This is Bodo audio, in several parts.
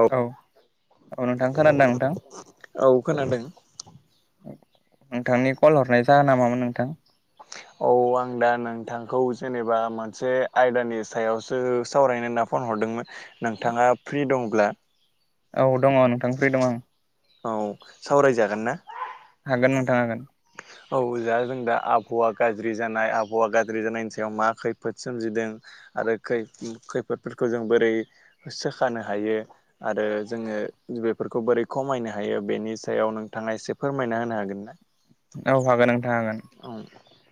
औ नोंथां खोनादों नोंथां औ खोनादों। [inaudible] नोंथांनि कल हरनाय जाहोना मामोन नोंथां? [inaudible] औ आं दा नोंथांखौ जेनेबा मोनसे आयदानि सायावसो सावरायनो होनना फन हर दोंमोन नोंथाङा फ्रि दंब्ला? औ दङ नोंथांनि फ्रि दं आं। औ सावरायजागोन ना? हागोन नोंथां हागोन। औ जा जों दा आबहावा गाज्रि जानाय आबहावा गाज्रि जानायनि सायाव मा खैफोद सोमजिदों आरो खैफोदफोरखौ जों बोरै सोखानो हायो आरो जोङो बेफोरखौ बोरै खमायनो हायो बेनि सायाव नोंथाङा एसे फोरमायना होनो हागोन ना? औ हागोन नोंथां हागोन।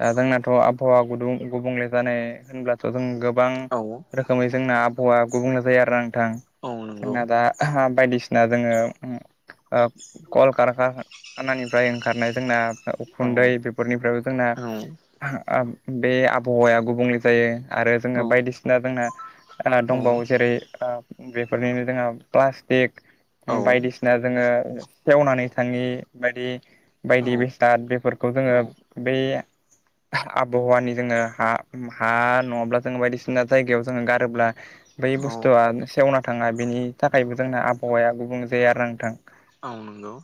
ओ जोंना थ' आबहावा गुदुं गुबुंले जानाय होनब्लाथ' जों गोबां औ रोखोमै जोंना आ बहावा गुबुंल' जायो आरो आंथां औ नंगौ जोंना दा बायदिसिना जोङो ओ कल कारख खानानिफ्राय ओंखारनाय जोंना औ उखुन्दै बेफोरनिफ्रायबो जोंना औ बे आबहावाया गुबुंले जायो। आरो औ जोङो बायदिसिना जोंना दंबावो जेरै ओ बेफोरनिनो जोंहा प्लास्टिक औ बायदिसिना जोङो सेवनानै थाङि बायदि औ बायदि बेसाद बेफोरखौ औ जोङो बै [inaudible] आबहावानि जोङो हा हा नङाब्ला जोङो बायदिसिना जायगायाव जोङो गारोब्ला बै बुस्थुआ सेवना थाङा बेनि थाखायबो जोंना आबहावाया गुबुं जायो आरोना नोंथां। आं नोंगौ।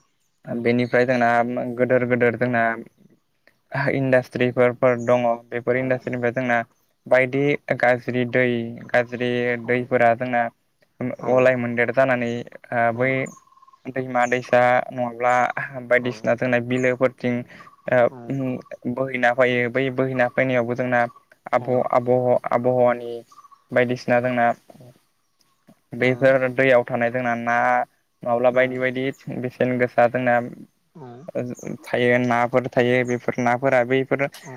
बेनिफ्राय जोंना गोदोर गोदोर जोंना इन्डास्ट्रिफोरफोर दङ। बेफोर औ इन्डास्ट्रिनिफ्राय जोंना बायदि गाज्रि दै गाज्रि दैफोरा जोंना औ अलाय मोनदेर जानानै बै औ दैमा दैसा नङाब्ला औ बायदिसिना जोंना बिलोफोरथिं ओ उम बोहैना फैयो बै बोहैना फैनायावबो जोंना आब' आब' आबहावानि बायदिसिना जोंना बेफोर दैयाव थानाय जोंना ना नङाब्ला बायदि बायदि बेसेन गोसा जोंना थायो नाफोर थायो बेफोर नाफोरा बैफोर औ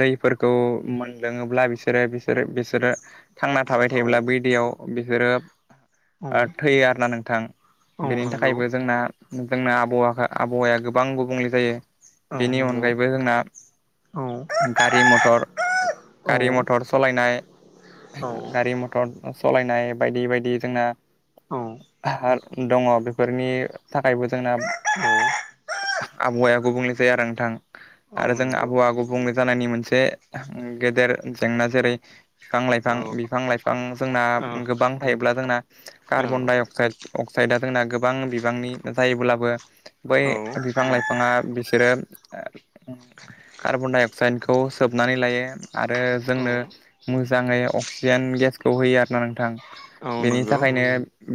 दैफोरखौ मोनलोङोब्ला बिसोरो बिसोरो बिसोरो थांना थाबाय थायोब्ला बै दैयाव बिसोरो ओ थैयो आरोना नोंथां औ बेनि नंगौ थाखायबो जोंना जोंना आ आबावाहा-आबहावाया गोबां गुबुंले जायो औ बेनि नंगौ अनगायैबो जोंना औ गारि मथर औ गारि मथर सलायनाय औ गारि मटर सलायनाय बायदि बायदि जोंना औ दङ बे बेफोरनि थाखायबो जोंना औ आबहावाया गुबुंले जाया आरो नोंथां औ आरो जों नंगौ आबहावा गुबुंले जानायनि मोनसे से गेदेर जेंना जेरै बिफां औ लाइफां बिफां लाइफां जोंना औ गोबां थायोब्ला जोंना औ कार्बन दडाइ अक्साइड अक्साइदआ जोंना गोबां बिबांनि जायोब्लाबो बै बिफां लाइफाङा बिसोरो कार्बन डाइ अक्साइद खौ सोबनानै लायो आरो औ जोंनो मो जाङै अक्सिजेन गेसखौ होयो आरो ना नोंथां औ बेनि नंगौ थाखायनो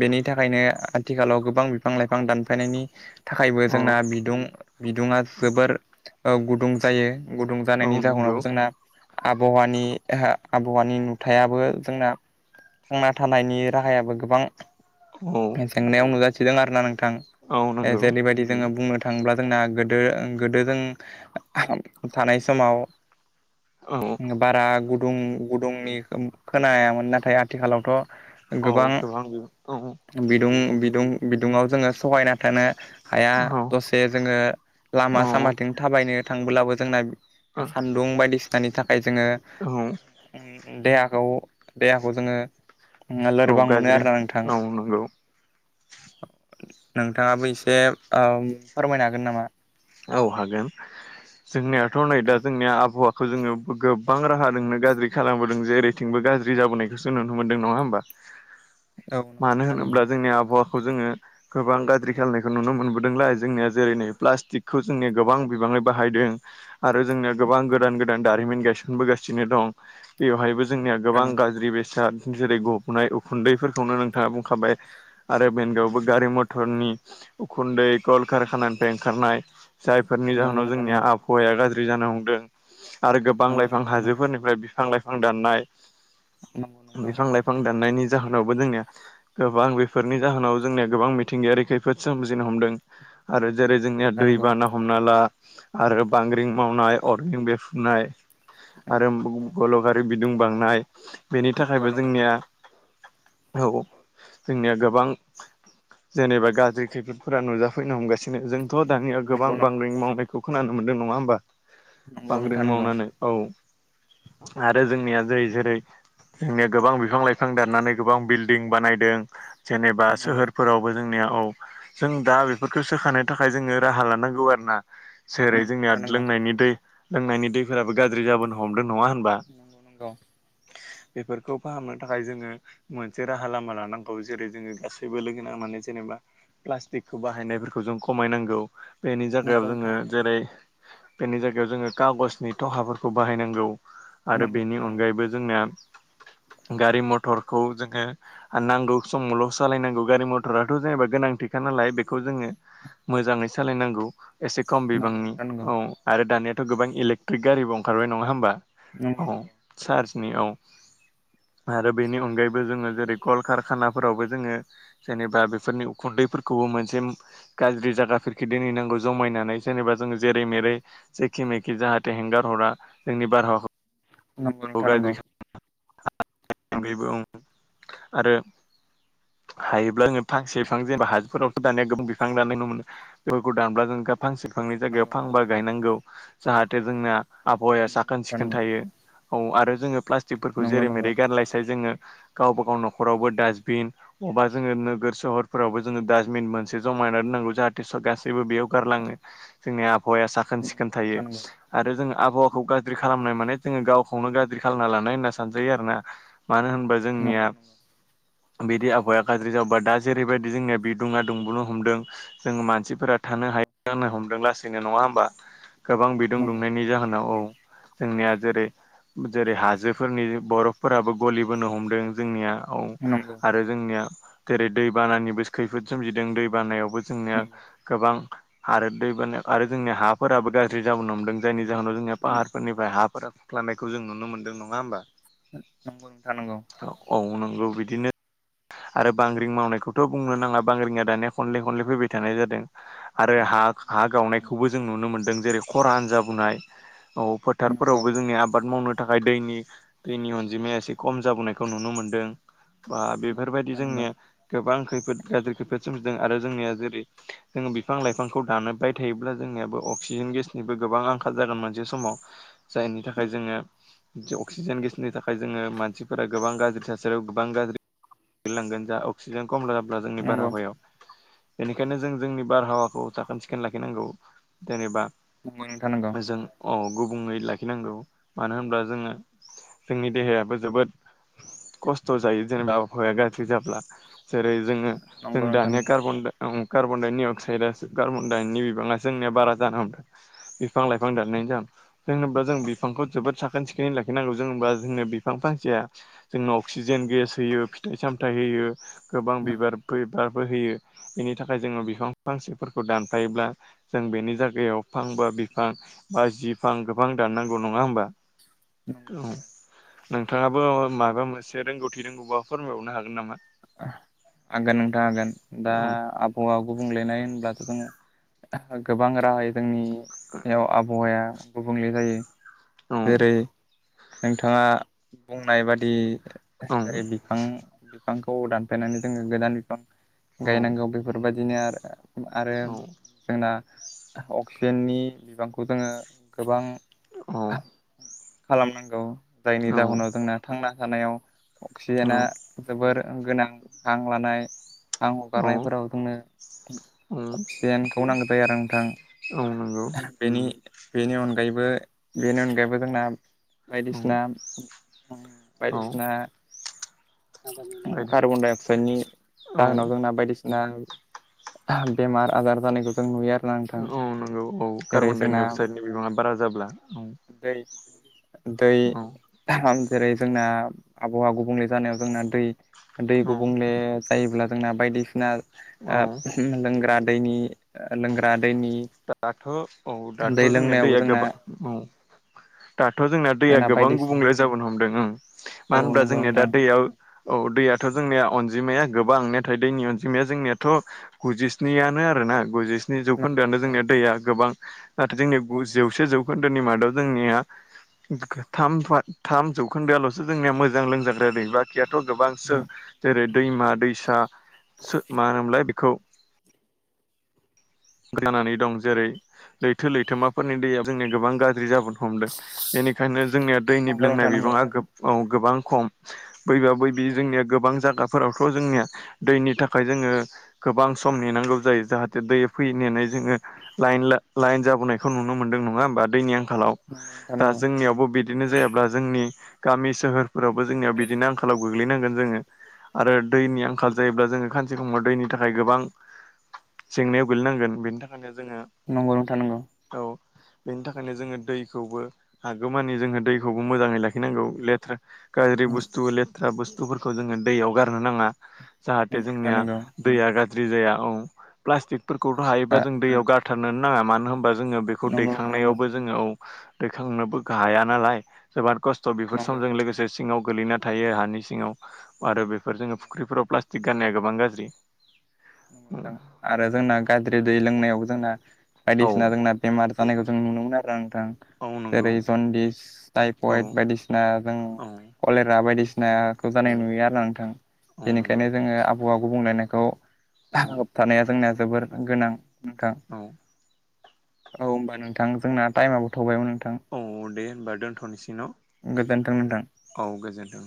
बेनि थाखायनो आथिखालाव गोबां बिफां लाइफां दानफायनायनि थाखायबो औ जोंना बिदुं-बिदुङा जोबोर अ गुदुं जायो। गुदुं औ जानायनि नंगौ जाहोनाव जोंना आबहावानि-आबहावानि नुथायाबो जोंना थांना थानायनि राहायाबो गोबां औ जेंनायाव नुजाथिदों आरोना नों औ नों जेरैबायदि जोङो बुंनो थांब्ला जोंना गोदो गोदो जों थानाय समाव औ बारा गुदुं गुदुंनि खोनायामोन नाथाय आथिखालावथ' गोबां औ औ बिदुं-बिदुं-बिदुंआव जोङो सहायना थानो हाया औ औ दसे जोङो लामा सामाथिं थाबायनो थांबोब्लाबो जोंना सान्दुं बायदिसिनानि थाखाय जोङो औ उम देहाखौ देहाखौ जोङो औ लोरबां मोनो गाज्रि आरोना नोंथां। औ नंगौ नोंथाङाबो एसे ओम फोरमायनो हागोन नामा? औ हागोन जोंनियाथ' नै दा नोंथां जोंनिया आबहावा- खौ जोङो गोबां राहाजोंनो गाज्रि खालामबोदों जेरैथिंबो गाज्रि जाबोनायखौसो नुनो मोनदों नङा होमबा? औ नंगौ मानो नोंथां नंगौ होनोब्ला जोंनि आबहावा खौ जोङो गोबां गाज्रि खालामनायखौ नुनो मोनबोदोंलाय जोंनिया जेरै नै प्लास्टिक खौ जोंनि गोबां बिबाङै बाहायदों आरो जोंनि गोबां गोदान-गोदान दारिमिन गायसनबोगासिनो दं। बेवहायबो जोंनिया नंगौ गोबां नोंथां नंगौ गाज्रि बेसाद जेरै- गबनाय उखुन्दैफोरखौनो नोंथाङा बुंखाबाय आरो बेनगावबो गारि मथरनि उखुन्दै कल कारखानानिफ्राय ओंखारनाय जायफोरनि नंगौ जाहोनाव नोंथां नंगौ जोंनिया आबहावाया गाज्रि जानो हमदों। आरो गोबां नंगौ लाइफां नोंथां नंगौ हाजोफोरनिफ्राय बिफां लाइफां दाननाय नंगौ औ नंगौ नोंथां नंगौ बिफां लाइफां दाननायनि जाहोनावबो जोंनिया गोबां बेफोरनि जाहोनाव जोंनिया गोबां मिथिंगायारि खैफोद सोमजिनो हमदों आरो जेरै- नंगौ जोंनिया दैबाना हमना ला आरो बांग्रिं मावनाय अरगें बेफुनाय आरो बुम-गलगारि बिदुं बांनाय बेनि थाखायबो जोंनिया औ जोंनिया गोबां जेनेबा गाज्रि खैफोदफोरा नुजाफैनो हमगासि नो गोबां बांग्रिं मावनायखौ खोनानो मोनदों नङा होमबा बांग्रिं नंगौ मावनानै औ आरो जोंनिया जाय जेरै जोंनिया गोबां बिफां लाइफां दाननानै गोबां बिल्डिं बानायदों। जेनेबा सोहोरफोरावबो जोंनिया औ जों दा बेफोरखौ सोखानो थाखाय जोङो राहा लानांगौ आरो ना जेरै नंगौ जोंनिया नोंथां नंगौ नोंथां नंगौ लोंनायनि दै लोंनायनि दैफोराबो गाज्रि जाबोनो हमदों। नङा होनबा नंगौ नंगौ बेफोरखौ फाहामनो थाखाय जोङो मोनसे राहा लामा लानांगौ जेरै जोङो गासैबो लोगो नांनानै जेनेबा प्लास्टिकखौ बाहायनायफोरखौ जों खमायनांगौ। बेनि जायगायाव नंगौ जोङो नोंथां जेरै बेनि जायगायाव जोङो कागजनि थहाफोरखौ बाहायनांगौ। आरो नंगौ बेनि नोंथां अनगायैबो जोंनिया गारि मथरखौ जोङो नांगौ समावल' सालायनांगौ गारि मथराथ' जेनेबा गोनांथिखा नालाय बेखौ जोङो मोजाङै सालायनांगौ एसे खम बिबांनि नंगौ औ आरो दानिया थ' गोबां इलेकट्रिक गारिबो ओंखारबाय नङा होमबा नंगौ औ चार्जनि औ आरो बेनि अनगायैबो जोङो जेरै कल कारखानाफोरावबो जोङो जेनेबा बेसोरनि उखुन्दै फोरखौबो मोनसे गाज्रि जायगाफोर दोनहैनांगौ जमायनानै जेनेबा जोङो जेरै मेरै जेखे मेखे जाहाथे हेंगार हरा जोंनि बारहावाखौ नगौनो गाज्रि थानांगौ [unintelligible] आरो हायोब्ला जोङो फांसे बिफां जेनेबा हाजोफोरावथ' दानि गोबां बिफां दानाय नुनो मोनो बेफोरखौ दानोबब्ला जों गा फांसे फांनै जायगायाव नंगौ फांबा गायनांगौ जाहाथे जोंना आबहावाया साखोन नोंथां सिखोन नंगौ थायो औ आरो जोङो प्लास्टिकफोरखौ नंगौ जेरै नंगौ मेरै गारलायसाय जोङो गावबा गाव न'खरावबो डास्टबिन अबा जोङो नोगोर सोहरफोरावबो जोङो डास्टबिन मोनसे जमा बानाय नांगौ जाहाथे सब गासैबो बेयाव गारलाङो जोंनि आब आबहावाया साखोन सिखोन थायो नोंथां नंगौ आरो जोङो आबहावाखौ गाज्रि खालामनाय माने जोङो गावखौ खौनो गाज्रि खालामना लानाय होनना सानजायो आरोना मानो होनबा जोंनिया नंगौ नंगौ बिदि आबहावाया गाज्रि जाबोबा दा जेरैबायदि जोंनिया बिदुङा दुंबुनो हमदों जोंङो मानसि फोर थानो हायो जानो हमदों लासैनो नङा होमबा गोबां बिदुं नंगौ दुंनायनि नोंथां नंगौ जाहोनाव औ जोंनिया जेरै जेरै हाजोफोरनि बरफफोराबो गलिबोनो हमदों जोंनिया औ नंगौ आरो जोंनिया जेरै दैबानानिबो खैफोद सोमजिदों दै बानायावबो जोंनिया नंगौ नंगौ गोबां आरो दैबानाय आरो जोंनिया हाफोराबो गाज्रि जाबोनो हमदों जायनि जाहोनाव जोंनिया पाहारफोरनिफ्राय हाफोरा खुख्लानायखौ जों नुनो मोनदों नङा होमबा नंगौ नोंथां नांगौ। औ बिदिनो आरो बांग्रिं मावनायखौथ' बुंनो नाङा बांग्रिंआ दानिया खनले खनले फैबाय थानाय जादों आरो हा हा नंगौ नंगौ गावनायखौबो जों नुनो मोनदों जेरै खरान जाबोनाय औ नंगौ फोथारफोरावबो जोंनि आब आबाद मावनो थाखाय दैनि दैनि अनजिमाया एसे खम जाबोनायखौ नुनो मोनदों बा बेफोरबायदि नोंथां नंगौ जोंनिया गोबां खैफोद गाज्रि खैफोद सोमजिदों आरो जोंनिया जेरै जोङो बिफां लाइफांखौ दानबाय थायोब्ला जोंनियाबो अक्सिजेन गेसनिबो गोबां आंखाल जागोन मोनसे समाव जायनि थाखाय थाखाय नंगौ जोङो अक्सिजेन गेसनि थाखाय जोङो मानसिफोरा गोबां गाज्रि थासारियाव गोबां गाज्रि गोलै लांगोन जा अक्सिजेन खम जाब्ला जोंनि नंगौ बारहावायाव बेनिखायनो जों जोंनि बारहावाखौ साखोन सिखोन लाखिनांगौ जेनेबा खोनाया जों औ गुबुंङै लाखिनांगौ मानो होनब्ला जोङो जोंनि देहायाबो जोबोद खस्थ' जायो जेनेबा आबहावाया गाज्रि जाब्ला जेरै जोङो जों नंगौ नोंथां दानिया नंगौ कार्बन कार्बन डाइनि अक्साइड कार्बनडाइनि बिबाङा जोंनि बारा जान हमदों बिफां लाइफां दान जों जोनोबो जों बि बिफांखौ जोबोद साखोन सिखोनै लाखिनांगौ जों होमबा जोंनो बिफां फांसेया जोंनो अक्सिजेन गेस होयो फिथाइ सामथाय होयो गोबां नंगौ बिबार फैबार होयो बेनि थाखाय जोङो बिफां फांसेफोरखौ दानफायोब्ला जों बेनि जायगायाव फांबा बिफां बा जिफां गोबां दाननांगौ नङा होमबा नंगौ औ नंगौ नोंथाङाबो माबा मोनसे रोंगौथि रोंगौबा फोरमायबावनो हागोन नामा हागोन नोंथां हागोन दा औ आबहावा गुबुंलेनाय होनब्लाथ' जोङो गोबां राहायै जोंनियाव आबहावाया गुबुंले जायो औ जेरै नोंथाङा बुंनाय बादि जेरै औ बिफां बिफांखौ दानफायनानै जोङो गोदान बिफां औ गायनांगौ बेफोरबायदिनो आरो औ जोंना अक्सिजेननि बिबांखौ जोङो गोबां औ खालामनांगौ जायनि औ जाहोनाव जोंना थांना थानायाव अक्सिजेना जोबोर गोनां हां लानाय आं औ हगारनायफोराव जोंनो औ अक्सिजेनखौ नांगौ जायो आरो औ नंगौ नोंथां बेनि बेनि अनगायैबो-बेनि अनगायैबो जोंना औ बायदिसिना औ बायदिसिना बायदि कार्बनडाइ अक्साइडनि औ जाहोनाव जोंना बायदिसिना बेमार आजार जानायखौ जों नुयो आरो औ नंगौ औ कार्बनडाइ अक्साइडनि बिबाङा बारा जाब्ला औ दै दै औ जेरै जोंना आबहावा गुबुंले जानायाव जोंना दै दै औ गुबुंले जायोब्ला जोंना बायदिसिना लोंग्रा दैनि औ लोंग्रा दैनि दाथ' औ दाथ' दै जोंनिया लोंनायावबो दैया जोंना गोबां औ दाथ' जोंना दैया गोबां गुबुंले जाबोनो हमदों ओं औ मानो होनब्ला नंगौ जोंनिया दा नोंथां दैयाव औ दैयाथ' जोंनिया अनजिमाया गोबां नाथाय दैनि अनजिमाया जोंनियाथ' गुजिस्नियानो आरो ना गुजिस्नि नंगौ जौखोन्दोआनो नंगौ जोंनि दैया गोबां जोंनि नंगौ जौसे जौ जौखोन्दोनि मादाव जोंनिया थाम-थाम जौखोन्दोआल'सो जोंनिया मोजां लोंजाग्रा दै बाखिया थ' गोबांसो जेरै दैमा-दैसा मा होनोमोनलाय बेखौ जानानै दं जेरै लैथो-लैथोमा फोरनि दैया जोंनिया गोबां गाज्रि जाबोनो हमदों बेनिखायनो जोंनिया दैनि नंगौ लोंनाय नोंथां नंगौ बिबाङा औ गोबां खम बैबा बैबि जोंनिया गोबां जायगाफोरावथ' जोंनिया दैनि थाखाय जों गोबां सम नेनांगौ जायो जाहाथे दै फैनानै जोङो लाइन ला-लाइन जाबोनायखौ नुनो मोनदों नङा होमबा दैनि आंखालाव। नंगौ नोंथां दा नंगौ जोंनियावबो बिदिनो जायाब्ला जोंनि गामि सोहोर फोरावबो जोंनियाव बिदिनो आंखालाव गोग्लैनांगोन जोङो। आरो दैनि आंखाल जायोब्ला जोङो सानसे समाव दैनि थाखाय गोबां जेंनायाव गोलैनांगोन बेनि थाखायनो जोङो नंगौ नोंथां नंगौ। औ बेनि थाखायनो जोङो दैखौबो हागौमानि जोङो दैखौबो मोजाङै लाखिनांगौ। लेथ्रा गाज्रि बुस्थु लेथ्रा बुस्थुफोरखौ जोङो दैयाव गारनो नाङा। जाहाथे नंगौ नोंथां जोंनिया नंगौ दैया गाज्रि जाया औ। प्लास्टिकफोरखौथ' हायोबा जों दैयाव गार गारथारनो नाङा मानो होनबा जोङो बेखौ नंगौ नोंथां नंगौ दैखांनायावबो जोङो औ दैखांनोबो हाया नालाय। जोबोद खस्थ' बेफोर नंगौ समजों लोगोसे सिङाव गोगलैना थायो हानि सिङाव आरो बेफोर जोङो फुख्रिफोराव प्लास्टिक गारनाया गोबां गाज्रि। आरो जोंना गाज्रि दै लोंनायाव जोंना औ बायदिसिना जोंना बेमार जानायखौ जों नुनो मोनो आरो आं औ नंगौ जेरै जनदिस, औ थाइफयद, बायदिसिना जों औ कलेरा बायदिसिना खौ औ जानाय नुयो आरो नोंथां। औ नंगौ बेनिखायनो जोङो आबहावा गुबुंलेनायखौ औ होबथानाया जोंनिया जोबोर गोनां। नोंथां औ। औ होमबा नोंथां जोंना टाइमआबो थौबायमोन नों औ दे होनबा दोन्थ'नोसै न'? गोजोन्थों नोंथां औ गोजोन्थों।